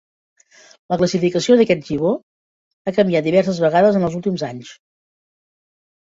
La classificació d'aquest gibó ha canviat diverses vegades en els últims anys.